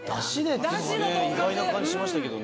意外な感じしましたけどね。